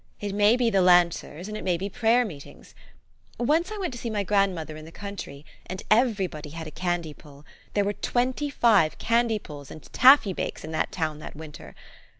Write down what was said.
It may be the Lancers ; and it may be prayer meetings. Once I went to see my grandmother in the country, and everj'body had a cand}* pull : there were twenty five candy pulls and taffy bakes in that town that winter.